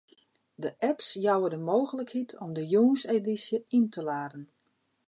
De apps jouwe de mooglikheid om de jûnsedysje yn te laden.